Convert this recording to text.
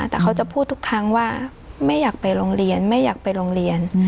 แต่เขาจะพูดทุกครั้งว่าไม่อยากไปโรงเรียนไม่อยากไปโรงเรียน